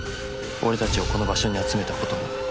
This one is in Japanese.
俺たちをこの場所に集めたことも。